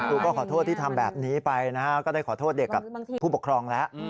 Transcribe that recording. ครูก็ขอโทษที่ทำแบบนี้ไปนะฮะก็ได้ขอโทษเด็กกับผู้ปกครองแล้ว